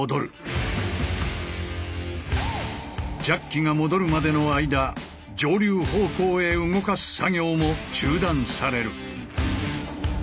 ジャッキが戻るまでの間上流方向へ動かす作業も中断される。